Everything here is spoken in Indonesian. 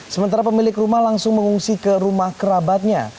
sementara pemilik rumah langsung mengungsi ke rumah kerabatnya